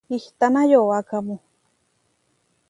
¿Itána yowákamu?